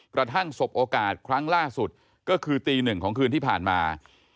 สบโอกาสครั้งล่าสุดก็คือตีหนึ่งของคืนที่ผ่านมา